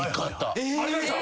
ありました？